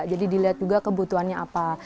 jadi dilihat juga kebutuhannya apa